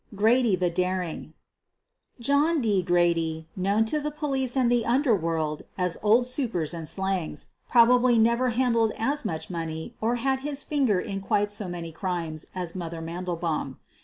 GRADY THE DARING John D. Grady, known to the police and the under world as "Old Supers and Slangs,' ' probably never handled as much money or had his finger in quite so many crimes as "Mother" Mandelbaum.